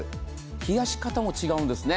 冷やし方も違うんですね。